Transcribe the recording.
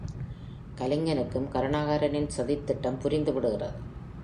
கலிங்கனுக்கும் கருணாகரனின் சதித்திட்டம் புரிந்து விடுகிறது.